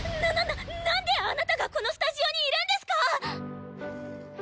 何でアナタがこのスタジオにいるんですか